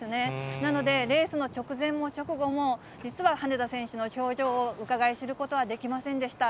なので、レースの直前も直後も、実は羽根田選手の表情をうかがい知ることはできませんでした。